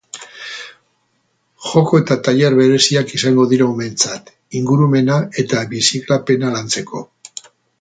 Joko eta tailer bereziak egingo dira umeentzat, ingurumena eta birziklapena lantzeko.